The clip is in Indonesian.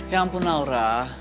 ya ampun nora